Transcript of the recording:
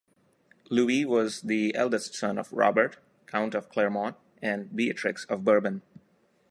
Louis was the eldest son of Robert, Count of Clermont and Beatrix of Bourbon.